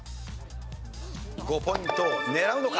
５ポイントを狙うのか？